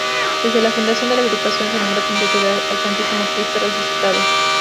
Desde la fundación de la Agrupación se nombró como titular al Santísimo Cristo Resucitado.